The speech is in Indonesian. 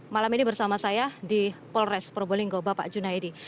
malam ini bersama saya di polres probolinggo bapak junaidi